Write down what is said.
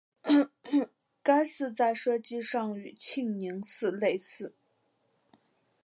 该寺在设计上与庆宁寺类似。